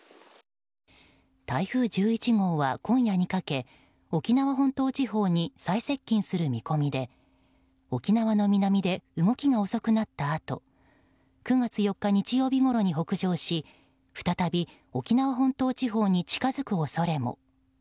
台風１１号は今夜にかけ沖縄本島地方に最接近する見込みで沖縄の南で動きが遅くなったあと９月４日、日曜日ごろに北上し再び沖縄本島地方に近づく恐れも。